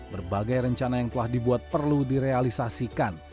berbagai rencana yang telah dibuat perlu direalisasikan